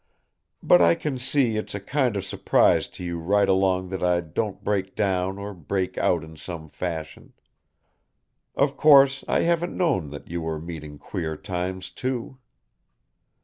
"But I can see it's a kind of surprise to you right along that I don't break down or break out in some fashion. Of course I haven't known that you were meeting queer times, too!